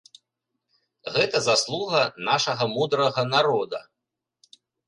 Гэта заслуга нашага мудрага народа.